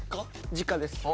実家です。